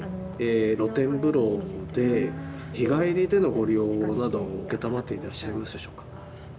露天風呂で日帰りでのご利用など承っていらっしゃいますでしょうか？